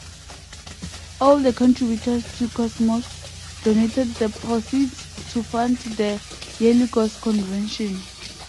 All the contributors to "Kosmos" donated the proceeds to fund the YearlyKos convention.